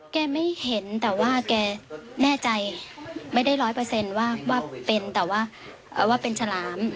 ไม่เห็นแต่ว่าแกแน่ใจไม่ได้ร้อยเปอร์เซ็นต์ว่าเป็นแต่ว่าเป็นฉลาม